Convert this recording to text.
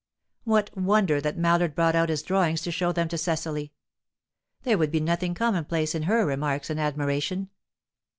What wonder that Mallard brought out his drawings to show them to Cecily? There would be nothing commonplace in her remarks and admiration.